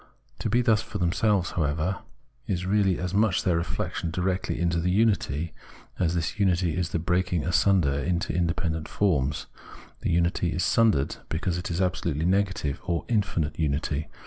To be thus for themselves, however, is really as much their reflexion directly into the unity, as this unity is the breaking asunder into independent forms. The imity is sundered because it is absolutely negative or infinite unity!